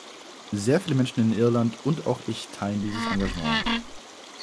Sehr viele Menschen in Irland und auch ich teilen dieses Engagement.